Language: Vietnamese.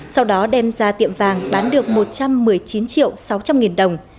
sau đó đem ra tiệm vàng bán được một trăm một mươi chín triệu sáu trăm linh nghìn đồng